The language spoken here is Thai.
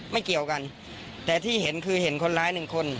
เกี่ยวกันแต่ที่เห็นคือเห็นคนร้ายหนึ่งคน